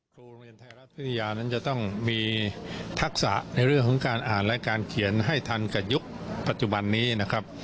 โรงเรียนไทยรัฐวิทยานั้นจะต้องมีทักษะในเรื่องของการอ่านและการเขียนให้ทันกับยุคปัจจุบันนี้นะครับ